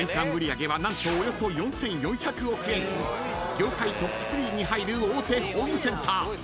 ［業界トップ３に入る大手ホームセンター］